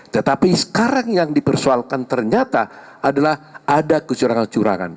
tetapi sekarang yang dipersoalkan ternyata adalah ada kecurangan curangan